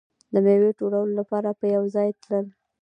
د میوې ټولولو لپاره به یو ځای تلل.